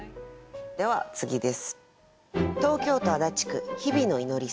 では次です。